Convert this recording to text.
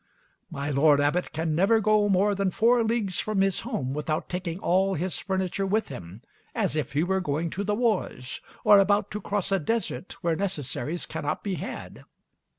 My lord abbot can never go more than four leagues from his home without taking all his furniture with him, as if he were going to the wars, or about to cross a desert where necessaries cannot be had.